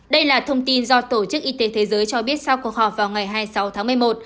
đây là thông tin do tổ chức y tế thế giới cho biết sau cuộc họp vào ngày hai mươi sáu tháng một mươi một